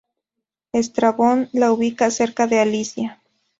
Estrabón la ubicaba cerca de Alicia.